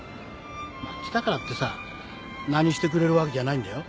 まあ来たからってさ何してくれるわけじゃないんだよ。